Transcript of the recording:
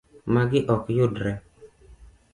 Magi ok yudre.